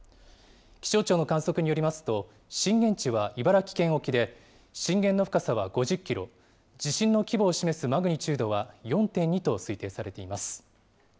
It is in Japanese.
気象庁の観測によりますと、震源地は茨城県沖で、震源の深さは５０キロ、地震の規模を示すマグニチュードは４．２と推定されています。